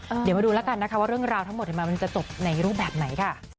เดี๋ยวมาดูแล้วกันนะคะว่าเรื่องราวทั้งหมดมันจะจบในรูปแบบไหนค่ะ